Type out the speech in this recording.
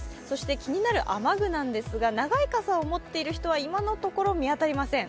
気になる雨具ですが、長い傘を持っている人は今のところ見当たりません。